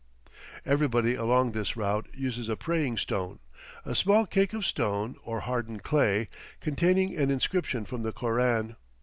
Everybody along this route uses a praying stone, a small cake of stone or hardened clay, containing an inscription from the Koran.